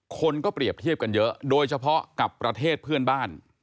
คนก็เปรียบเทียบกันเยอะโดยเฉพาะกับประเทศเพื่อนบ้าน